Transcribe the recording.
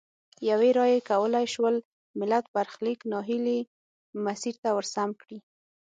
یوې رایې کولای شول ملت برخلیک نا هیلي مسیر ته ورسم کړي.